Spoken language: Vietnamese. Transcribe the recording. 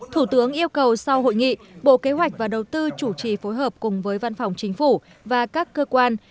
thủ tướng yêu cầu sau hội nghị bộ kế hoạch và đầu tư chủ trì phối hợp cùng với văn phòng chính phủ và các cơ quan